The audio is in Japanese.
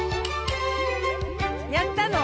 やったの？